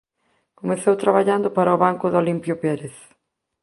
Comenzou traballando para o Banco de Olimpio Pérez.